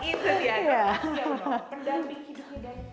dan bikin hidupnya dari cawapres cawapres yang nomor dua